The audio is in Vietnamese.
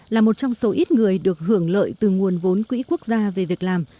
là một trong số ít người được hưởng lợi từ nguồn vốn quỹ quốc gia về việc làm